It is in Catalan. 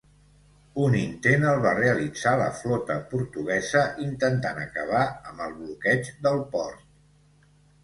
Un intent el va realitzar la flota portuguesa intentant acabar amb el bloqueig del port.